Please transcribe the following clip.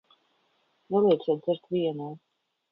Nelieciet dzert vienai.